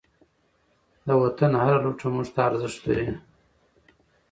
د وطن هر لوټه موږ ته ارزښت لري.